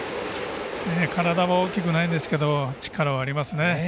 体は大きくないんですけど力はありますね。